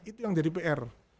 itu yang jadi pr